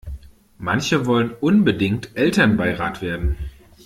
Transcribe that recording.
Manche wollen unbedingt Elternbeirat werden.